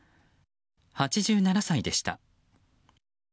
８７歳でした。